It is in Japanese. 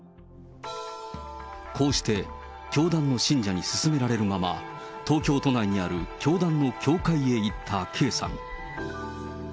こうして教団の信者に勧められるまま、東京都内にある教団の教会へ行ったＫさん。